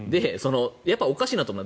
やっぱおかしいと思う。